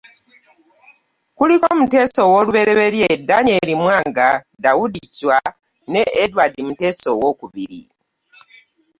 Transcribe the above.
Kuliko Muteesa owooluberyeberye, Daniel Mwanga, Daudu Chwa ne Edward Muteesa owookubiri